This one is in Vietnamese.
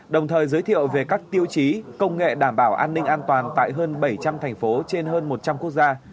đồng thời giới thiệu về các tiêu chí công nghệ đảm bảo an ninh an toàn tại hơn bảy trăm linh thành phố trên hơn một trăm linh quốc gia